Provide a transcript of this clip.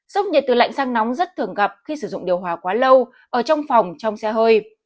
sốc nhiệt từ lạnh sang nóng rất thường gặp khi sử dụng điều hòa quá lâu ở trong phòng trong xe hơi